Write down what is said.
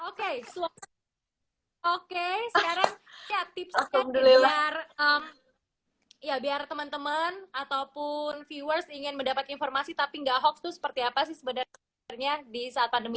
oke so far oke sekarang ya tipsnya biar temen temen ataupun viewers ingin mendapat informasi tapi nggak hoax tuh seperti apa sih sebenarnya di saat pandemi